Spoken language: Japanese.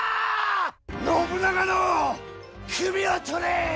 信長の首を取れ！